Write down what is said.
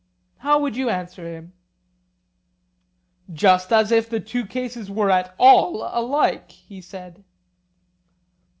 '—How would you answer him? Just as if the two cases were at all alike! he said.